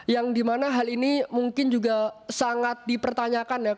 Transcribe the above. yang dimana hal ini mungkin juga sangat dipertanyakan ya